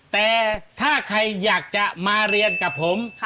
แต่ถ้าใครอยากจะมาเรียนกับผม